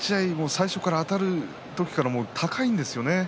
最初あたるときから高いんですよね。